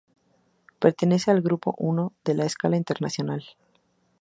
Pertenece al Grupo I de la escala internacional.